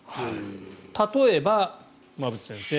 例えば馬渕先生